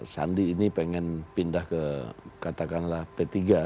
sandi ini pengen pindah ke katakanlah p tiga